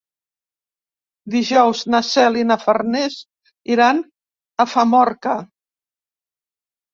Dijous na Cel i na Farners iran a Famorca.